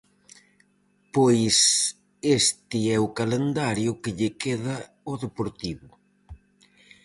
Pois este é o calendario que lle queda ao Deportivo.